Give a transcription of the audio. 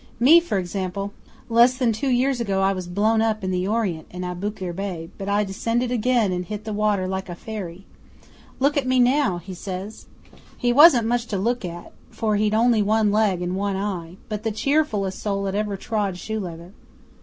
Me, for example! Less than two years ago I was blown up in the Orient in Aboukir Bay, but I descended again and hit the water like a fairy. Look at me now," he says. He wasn't much to look at, for he'd only one leg and one eye, but the cheerfullest soul that ever trod shoe leather.